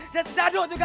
dan si daduk juga